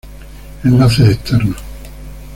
Enlaces Externos